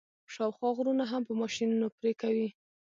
شاوخوا غرونه هم په ماشینونو پرې کوي.